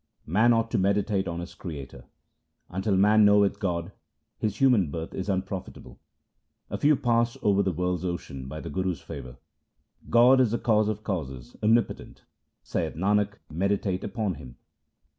Man ought to meditate on his Creator :— Until man knoweth God his human birth is unprofitable. A few pass over the world's ocean by the Guru's favour. God is the Cause of causes, omnipotent : saith Nanak, meditate upon Him.